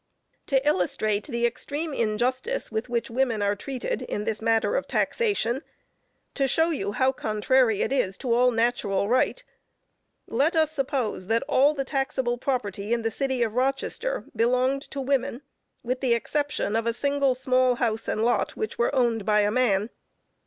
To illustrate the extreme injustice with which women are treated in this matter of taxation, to show you how contrary it is to all natural right, let us suppose that all the taxable property in the city of Rochester belonged to women, with the exception of a single small house and lot, which were owned by a man.